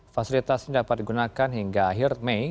fasilitas ini dapat digunakan hingga akhir mei